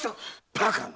バカな！